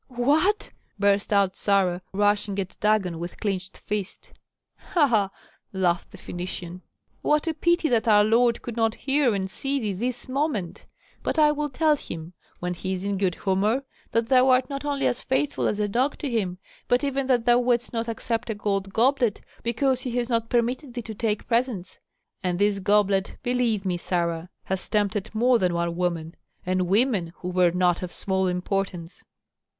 "What?" burst out Sarah, rushing at Dagon with clinched fist. "Ha! ha!" laughed the Phœnician. "What a pity that our lord could not hear and see thee this moment! But I will tell him, when he is in good humor, that thou art not only as faithful as a dog to him, but even that thou wouldst not accept a gold goblet because he has not permitted thee to take presents. And this goblet, believe me, Sarah, has tempted more than one woman, and women who were not of small importance."